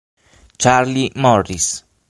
Charley Morris